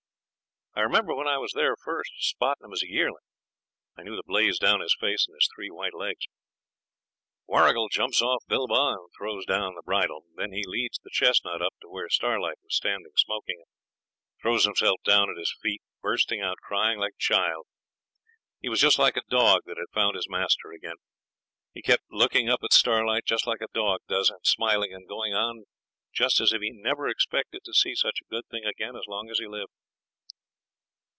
I remembered when I was there first spotting him as a yearling. I knew the blaze down his face and his three white legs. Warrigal jumps off Bilbah and throws down the bridle. Then he leads the chestnut up to where Starlight was standing smoking, and throws himself down at his feet, bursting out crying like a child. He was just like a dog that had found his master again. He kept looking up at Starlight just like a dog does, and smiling and going on just as if he never expected to see such a good thing again as long as he lived.